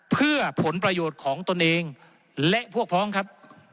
เพื่อผลประโยชน์ของตนเองและพวกพ้องครับ